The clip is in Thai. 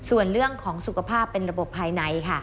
ส่วนเรื่องของสุขภาพเป็นระบบภายในค่ะ